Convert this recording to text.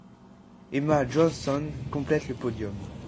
Emma Johansson complète le podium.